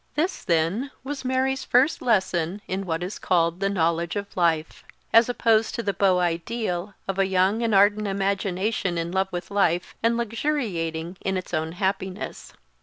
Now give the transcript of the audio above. This, then, was Mary's first lesson in what is called the knowledge of life, as opposed to the beau ideal of a young and ardent imagination in love with life, and luxuriating in its own happiness.